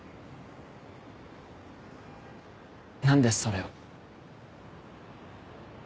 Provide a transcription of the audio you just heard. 何でそれを。